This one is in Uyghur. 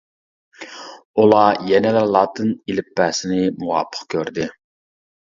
ئۇلار يەنىلا لاتىن ئېلىپبەسىنى مۇۋاپىق كۆردى.